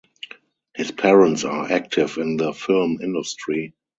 His parents are active in the film industry.